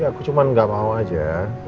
ya aku cuma enggak mau aja